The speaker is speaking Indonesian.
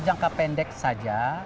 jangka pendek saja